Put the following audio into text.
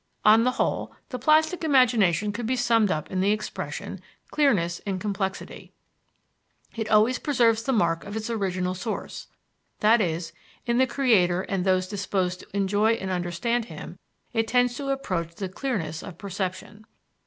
On the whole, the plastic imagination could be summed up in the expression, clearness in complexity. It always preserves the mark of its original source i.e., in the creator and those disposed to enjoy and understand him it tends to approach the clearness of perception.